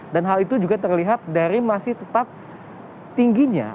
dan hal itu juga terlihat dari masih tetap tingginya